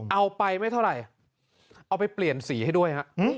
เอาไปไม่เท่าไหร่เอาไปเปลี่ยนสีให้ด้วยฮะ